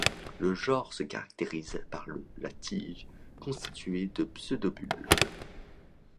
Le genre se caractérise par la tige constituée de pseudobulbes.